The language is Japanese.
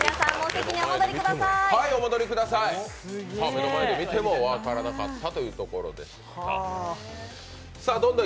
目の前で見ても分からなかったというところでした。